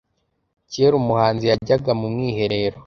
Kera umuhanzi yajyaga mu mwiherero